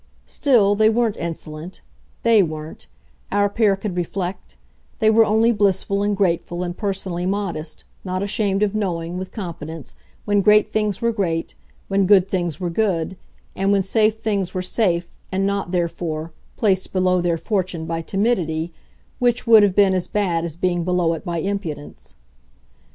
Still, they weren't insolent THEY weren't, our pair could reflect; they were only blissful and grateful and personally modest, not ashamed of knowing, with competence, when great things were great, when good things were good, and when safe things were safe, and not, therefore, placed below their fortune by timidity which would have been as bad as being below it by impudence.